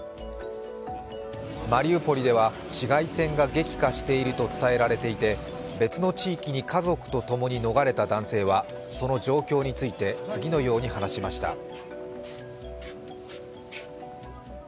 マリウポリでは市街戦が激化していると伝えられていて別の地域に家族とともに逃れた男性はその状況について次のように話しました。